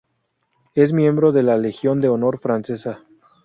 Es miembro de la Legión de Honor francesa.